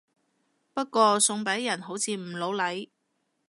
不過送俾人好似唔老嚟